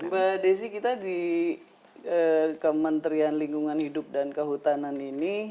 mbak desi kita di kementerian lingkungan hidup dan kehutanan ini